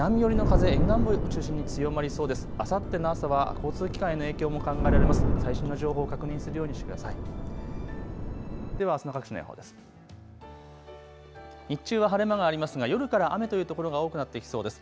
あさっての朝は交通機関への影響も考えられます。